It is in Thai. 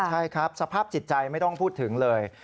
ใช่ครับสภาพจิตใจไม่ต้องพูดถึงเลย